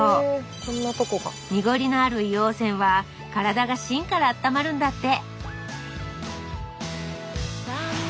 濁りのある硫黄泉は体が芯からあったまるんだって